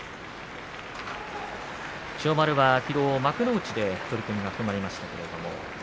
千代丸は、きのう幕内で取組が組まれました。